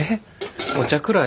お茶くらい。